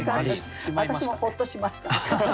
私もほっとしました。